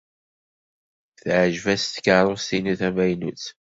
Teɛjeb-as tkeṛṛust-inu tamaynut.